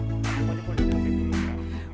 ini adalah kantor bupati